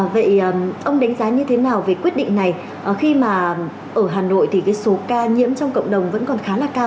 vậy ông đánh giá như thế nào về quyết định này khi mà ở hà nội thì cái số ca nhiễm trong cộng đồng vẫn còn khá là cao